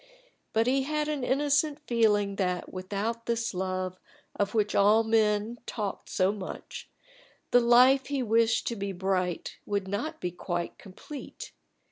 But he had an innocent feeling that without this love, of which all men talked so much, the life he wished to be bright would not be quite complete.